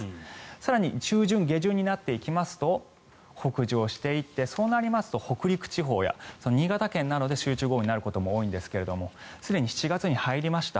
更に中旬、下旬になっていくと北上していってそうなりますと北陸地方や新潟県などで集中豪雨になることも多いんですがすでに７月に入りました。